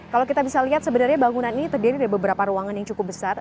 kalau kita bisa lihat sebenarnya bangunan ini terdiri dari beberapa ruangan yang cukup besar